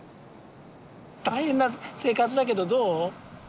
大変な生活だけどどう？